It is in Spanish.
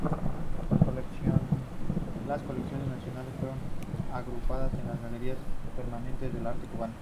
Las colecciones nacionales fueron agrupadas en las Galerías permanentes de arte cubano.